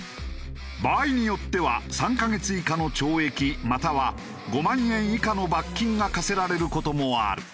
場合によっては３カ月以下の懲役または５万円以下の罰金が科せられる事もある。